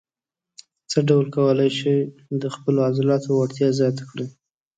څه ډول کولای شئ د خپلو عضلاتو وړتیا زیاته کړئ.